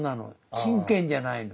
真剣じゃないの。